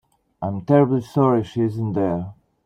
I'm terribly sorry she isn't here.